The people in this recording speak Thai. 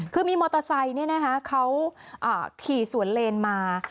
คือมีมอเตอร์ไซค์เขาขี่สวนเลนมา